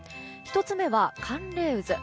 １つ目は寒冷渦。